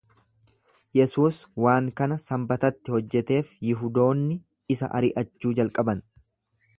Yesuus waan kana Sanbatatti hojjeteef Yihudoonni isa ari’achuu jalqaban.